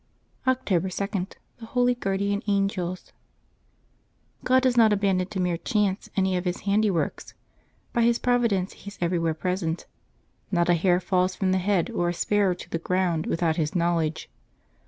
October 2.— THE HOLY GUARDIAN ANGELS. eOD does not abandon to mere chance any of His handi works; by His providence He is everywhere present; not a hair falls from the head or a sparrow to the ground without His knowledge.